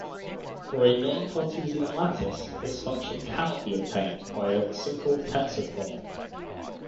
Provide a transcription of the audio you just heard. For a non-Cartesian lattice this function can not be obtained by a simple tensor-product.